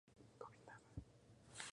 Son como textos de transición.